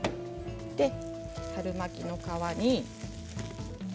春巻きの皮